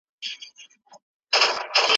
د عفوې کلتور بايد په ټولنه کې پراخ سي.